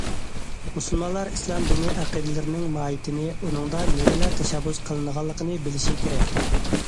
مۇسۇلمانلار ئىسلام دىنى ئەقىدىلىرىنىڭ ماھىيىتىنى، ئۇنىڭدا نېمىلەر تەشەببۇس قىلىنىدىغانلىقىنى بىلىشى كېرەك.